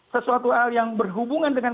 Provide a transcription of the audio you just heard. sesuatu yang berhubungan dengan